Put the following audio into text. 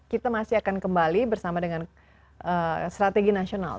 kita masih akan kembali bersama dengan strategi nasional